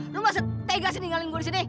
lu masih tegasin ngegaling gua disini